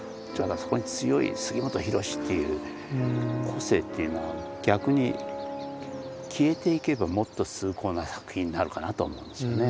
そこに強い杉本博司っていう個性っていうのは逆に消えていけばもっと崇高な作品になるかなと思うんですよね。